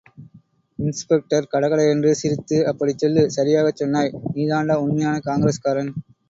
இன்ஸ்பெக்டர்கடகடஎன்று சிரித்து அப்படிச்சொல்லு, சரியாகச் சொன்னாய், நீதாண்டா உண்மையான காங்கிரஸ்காரன்.